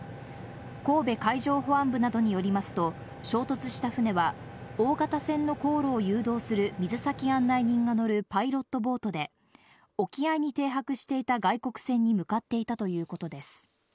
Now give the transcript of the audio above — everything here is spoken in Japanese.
神戸海上保安部などによりますと衝突した船は、大型船の航路を誘導する水先案内人が乗るパイロットボートで、沖合に停泊していた外国船に向かっていたということです。